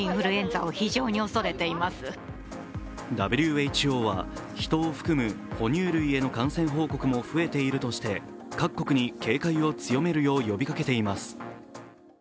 ＷＨＯは人を含む哺乳類への感染報告も増えているとして各国に警戒を強めるよう呼びかけています。